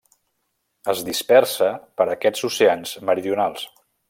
Es dispersa per aquests oceans meridionals.